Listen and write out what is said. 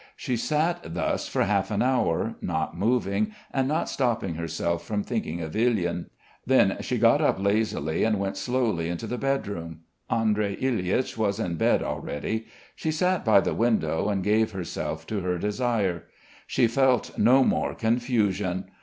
She sat thus for half an hour, not moving, and not stopping herself from thinking of Ilyin. Then she got up lazily and went slowly into the bed room. Andrey Ilyitch was in bed already. She sat by the window and gave herself to her desire. She felt no more "confusion."